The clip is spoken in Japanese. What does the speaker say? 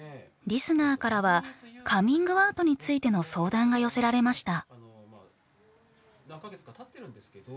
リスナーからはカミングアウトについての相談が寄せられました。